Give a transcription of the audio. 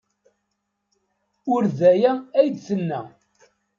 Ur d aya ay d-tenna.